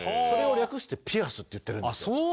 それを略してピアスって言ってるんですよ。